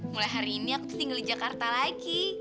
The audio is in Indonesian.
mulai hari ini aku tinggal di jakarta lagi